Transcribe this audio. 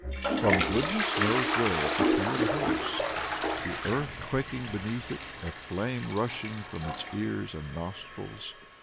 From goodness knows whence appeared a horse, the earth quaking beneath it, a flame rushing from its ears and nostrils.